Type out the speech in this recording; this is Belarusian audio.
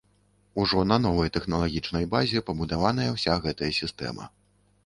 Ужо на новай тэхналагічнай базе пабудаваная ўся гэтая сістэма.